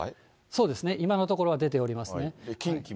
そうですね、今のところは出ておりますね。